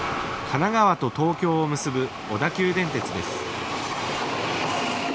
神奈川と東京を結ぶ小田急電鉄です。